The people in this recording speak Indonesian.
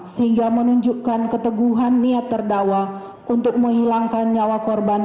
sehingga menunjukkan keteguhan niat terdakwa untuk menghilangkan nyawa korban